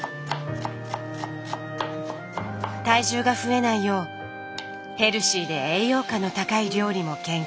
体重が増えないようヘルシーで栄養価の高い料理も研究。